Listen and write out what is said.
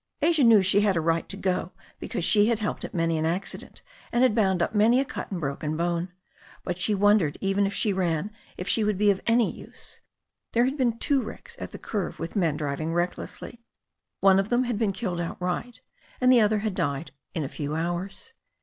Asia knew she had a right to go because she had helped at many an accident, and had bound up many a cut and broken bone. But she wondered even as she ran if she would be of any use. There had been two wrecks at the curve with men driving recklessly. One of them had been Icilled outright, and the other had died in a few hours.